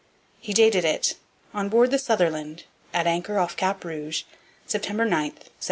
He dated it, 'On board the Sutherland at anchor off Cap Rouge, September 9, 1759.'